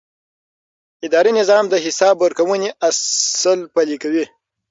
اداري نظام د حساب ورکونې اصل پلي کوي.